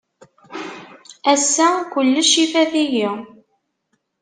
Ass-a kullec ifat-iyi.